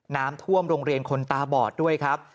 น้ำท่วมโรงเรียนคนตาบอดด้วยครับ